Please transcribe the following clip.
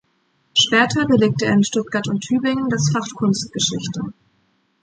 Später belegte er in Stuttgart und in Tübingen das Fach Kunstgeschichte.